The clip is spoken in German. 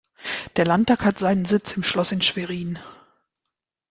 Der Landtag hat seinen Sitz im Schloß in Schwerin.